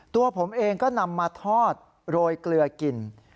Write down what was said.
ตัวผมเองก็นำมาทอดโรยเกลือกิน